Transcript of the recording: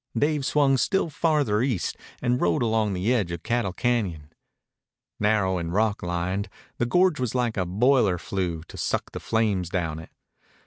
Dave swung still farther east and rode along the edge of Cattle Cañon. Narrow and rock lined, the gorge was like a boiler flue to suck the flames down it.